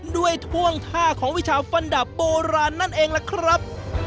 ท่วงท่าของวิชาฟันดับโบราณนั่นเองล่ะครับ